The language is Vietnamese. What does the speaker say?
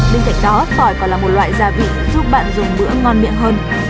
bên cạnh đó sỏi còn là một loại gia vị giúp bạn dùng bữa ngon miệng hơn